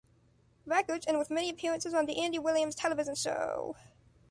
Records and with many appearances on the Andy Williams television show.